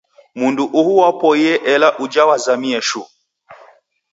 Mundu uhu wapoie ela uja wazamie shuu